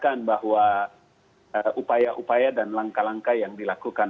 dan poi pasti ada leader meeting juga juga